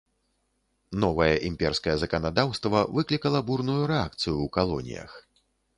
Новае імперскае заканадаўства выклікала бурную рэакцыю ў калоніях.